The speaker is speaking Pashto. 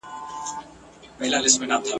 هر شته من او هر ځواکمن ته لاس پر نام وي ..